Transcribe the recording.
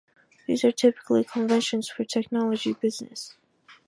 These are typically conventions for technology businesses.